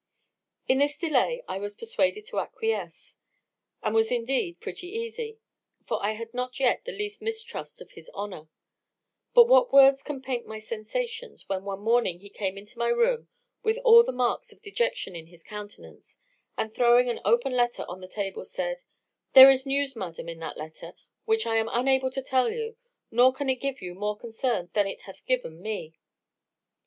"In this delay I was persuaded to acquiesce, and was indeed pretty easy, for I had not yet the least mistrust of his honour; but what words can paint my sensations, when one morning he came into my room, with all the marks of dejection in his countenance, and, throwing an open letter on the table, said, 'There is news, madam, in that letter which I am unable to tell you; nor can it give you more concern than it hath given me.